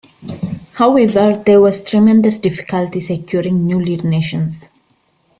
However, there was tremendous difficulty securing new lead nations.